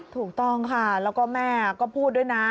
ถูกต้องค่ะแล้วก็แม่ก็พูดด้วยนะ